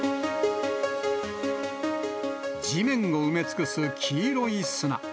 地面を埋め尽くす黄色い砂。